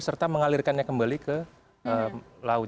serta mengalirkannya kembali ke laut